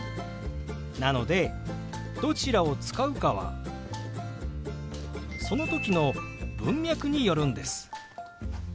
なのでどちらを使うかはその時の文脈によるんです。